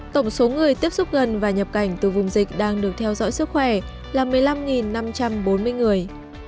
tổng số người tiếp xúc gần và nhập cảnh từ vùng dịch đang được theo dõi sức khỏe là một mươi năm năm trăm bốn mươi người